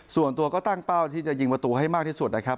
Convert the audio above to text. ส่วนตัวก็ตั้งเป้าที่จะยิงประตูให้มากที่สุดนะครับ